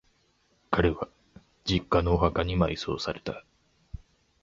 彼は、実家のお墓に埋葬された。